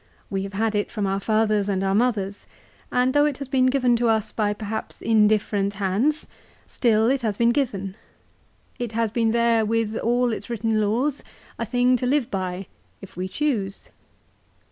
We have had it from our fathers and our mothers; and though it has been given to us by perhaps indifferent hands, still it has been given. It has been there with all its written laws, a thing to live by, if we choose.